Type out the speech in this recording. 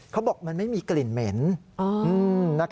เขาบอกมันไม่มีกลิ่นเหม็น